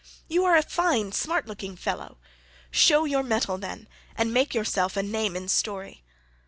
You are a fine, smart looking fellow; show your mettle, then, and make yourself a name in story.